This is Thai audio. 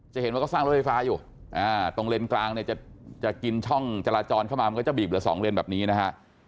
จะเห็นว่าก็สร้างรถไฟฟ้าอยู่ตรงเลนกลางเนี่ยจะกินช่องจราจรเข้ามามันก็จะบีบเหลือ๒เลนแบบนี้นะฮะ